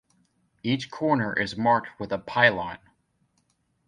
Each corner is marked with a pylon.